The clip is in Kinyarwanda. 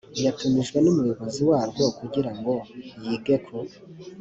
yatumijwe n umuyobozi warwo kugirango yige ku